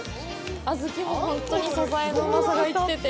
小豆も本当に素材のうまさが生きてて。